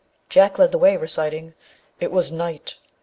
Jack led the way, reciting: "It was night!